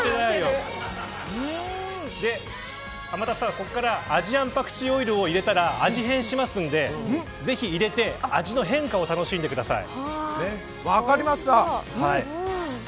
ここから、アジアンパクチーオイルを入れたら味変しますのでぜひ入れて味の変化を楽しんでください。